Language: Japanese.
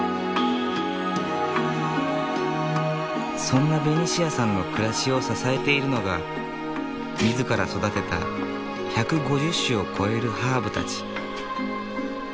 そんなベニシアさんの暮らしを支えているのが自ら育てた１５０種を超えるハーブたち。